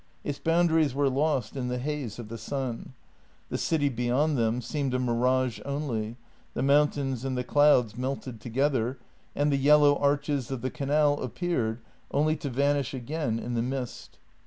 Its bound aries were lost in the haze of the sun. The city beyond them seemed a mirage only, the mountains and the clouds melted to gether, and the yellow arches of the canal appeared, only to vanish again in the mist.